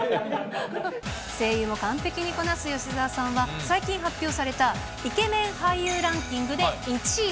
声優も完璧にこなす吉沢さんは、最近発表されたイケメン俳優ランキングで１位。